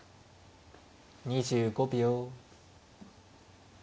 ２５秒。